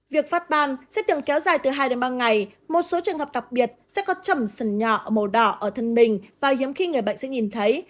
việc phát ban sẽ từng kéo dài từ hai đến ba ngày một số trường hợp đặc biệt sẽ có trầm sừng nhỏ màu đỏ ở thân mình và hiếm khi người bệnh sẽ nhìn thấy